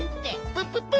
プププ。